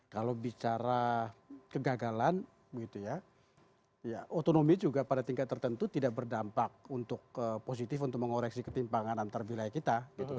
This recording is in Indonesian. kalau bicara kegagalan otonomi juga pada tingkat tertentu tidak berdampak untuk positif untuk mengoreksi ketimpangan antar wilayah kita